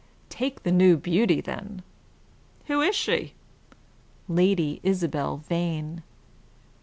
"Take the new beauty, then." "Who is she?" "Lady Isabel Vane."